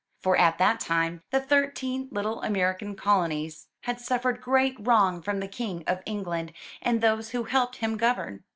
For at that time, the thirteen little American colonies had suffered great 293 MY BOOK HOUSE wrong from the King of England and those who helped him govern.